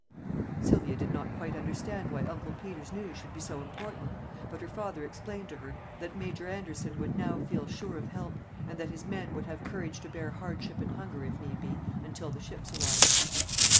Sylvia did not quite understand why Uncle Peter's news should be so important, but her father explained to her that Major Anderson would now feel sure of help, and that his men would have courage to bear hardship and hunger if need be until the ships arrived.